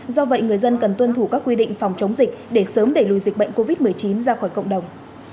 do vậy người dân cần tuân thủ các quy định phòng chống dịch để sớm đẩy lùi dịch bệnh covid một mươi chín ra khỏi cộng đồng